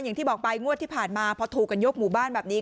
อย่างที่บอกไปงวดที่ผ่านมาพอถูกกันยกหมู่บ้านแบบนี้